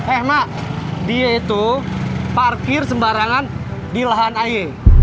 eh mak dia itu parkir sembarangan di lahan aye